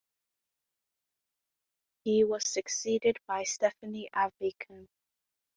He was succeeded by Stephanie Avakian.